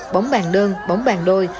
bóng bàn đơn bóng bàn đôi